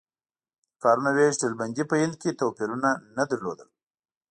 د کارونو وېش ډلبندي په هند کې توپیرونه نه لرل.